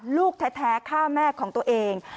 ลูกแท้ฆ่าแม่ของตัวเอง